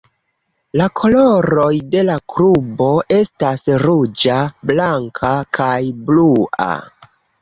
La koloroj de la klubo estas ruĝa, blanka, kaj blua.